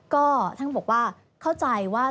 ก็ท่านก็บอกว่าเข้าใจว่า